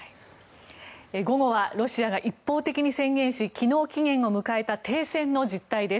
午後はロシアが一方的に宣言し昨日、期限を迎えた停戦の実態です。